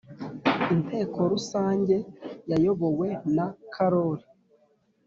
Inteko rusange ya yobowe na karoli